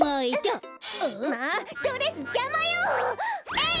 えい！